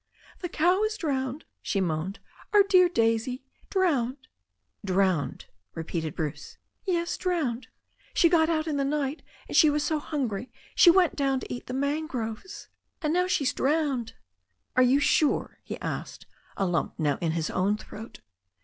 "The cow is drowned," she moaned, "Our dear Daisy drowned !" "Drowned!" repeated Bruce. "Yes, drowned. She got out in the night and she was so hungry she went down to eat the mangroves. And now she's drowned." Are you sure ?" he asked, a lump now in his own throat.